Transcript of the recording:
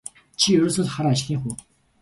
Чи ерөөсөө л хар ажлын хүн.